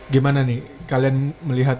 gimana nih kalian melihat